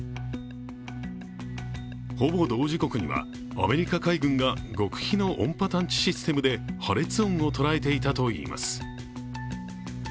ほぼ同時刻にはアメリカ海軍が極秘の音波探知システムで破裂音を捉えていたといいます。